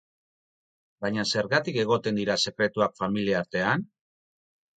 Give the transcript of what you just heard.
Baina zergatik egoten dira sekretuak familia artean?